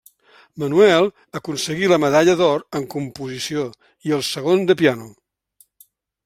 Manuel aconseguí la medalla d'or en composició i el segon de piano.